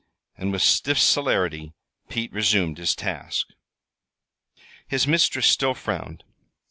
And, with stiff celerity, Pete resumed his task. His mistress still frowned.